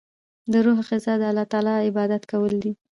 د روح غذا د الله تعالی عبادت کول دی.